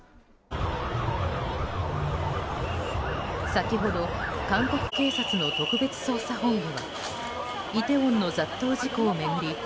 先ほど韓国警察の特別捜査本部がイテウォンの雑踏事故を巡り